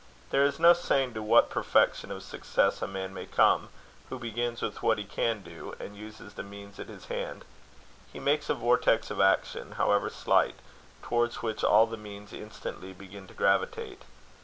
There is no saying to what perfection of success a man may come, who begins with what he can do, and uses the means at his hand. He makes a vortex of action, however slight, towards which all the means instantly begin to gravitate.